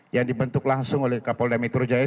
yang dibentuk langsung oleh kapolda metro jaya